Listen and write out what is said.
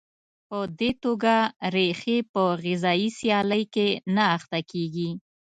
په دې توګه ریښې په غذایي سیالۍ کې نه اخته کېږي.